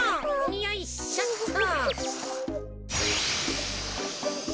よいしょっと。